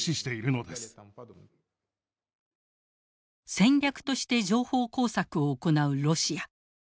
戦略として情報工作を行うロシア。